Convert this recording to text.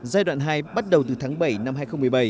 giai đoạn hai bắt đầu từ tháng bảy năm hai nghìn một mươi bảy